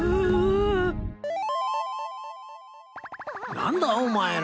何だお前ら。